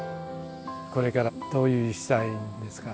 これからどうしたいんですか？